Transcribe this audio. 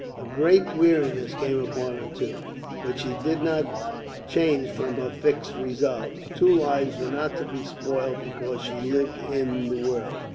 A great weariness came upon her, too. But she did not change from her fixed resolve. Two lives were not to be spoilt because she lived in the world.